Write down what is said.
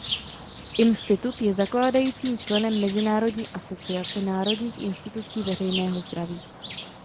Institut je zakládajícím členem Mezinárodní asociace národních institucí veřejného zdraví.